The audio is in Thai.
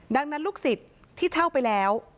ดังนั้นลูกศิษย์ที่เช่าไปแล้ว